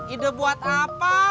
ide buat apa